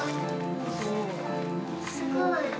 すごい。